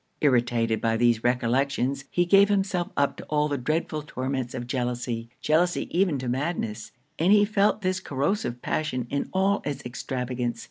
Irritated by these recollections, he gave himself up to all the dreadful torments of jealousy jealousy even to madness; and he felt this corrosive passion in all it's extravagance.